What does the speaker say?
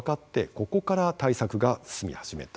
ここから対策が進み始めたんですよ。